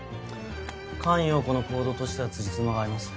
菅容子の行動としてはつじつまが合います。